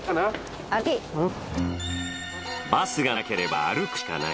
バスがなければ歩くしかない。